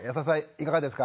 いかがですか？